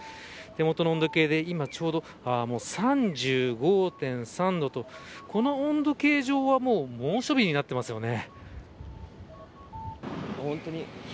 手元の温度計で今ちょうど３５．３度とこの温度計上は猛暑日になってますよね。